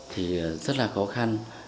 thì rất là khó khăn